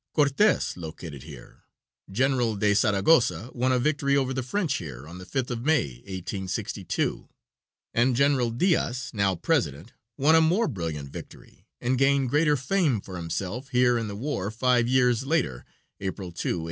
Cortes located here; General de Zaragoza won a victory over the French here on the 5th of May, 1862, and General Diaz, now President won a more brilliant victory and gained greater fame for himself here in the war five years later, April 2, 1867.